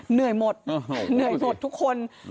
เหนื่อยหมดทุกคน